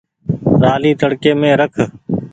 رآلي تڙڪي مين رک۔